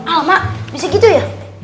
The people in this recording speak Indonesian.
alamak bisa gitu ya